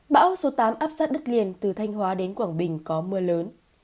bão số tám áp sát đất liền từ thanh hóa đến quảng bình có mưa lớn